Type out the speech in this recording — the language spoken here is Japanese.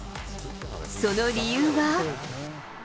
その理由は。